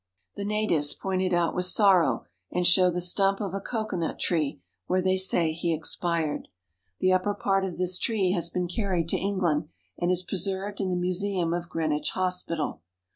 The natives point it out with sorrow, and show the stump of a co coanut tree, where they say he expired. The upper part of this tree has been carried to England, and is preserved in the museum of Greenwich Hospital.